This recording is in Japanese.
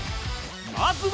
まずは